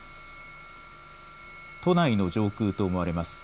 都内の上空と思われます。